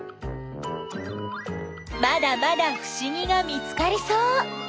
まだまだふしぎが見つかりそう！